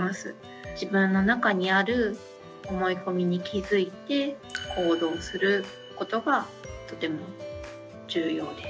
自分の中にある思い込みに気付いて行動することがとても重要です。